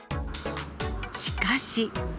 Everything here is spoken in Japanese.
しかし。